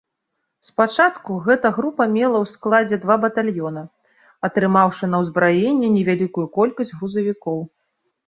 Спачатку, гэтая група мела ў складзе два батальёна, атрымаўшы на ўзбраенне невялікую колькасць грузавікоў.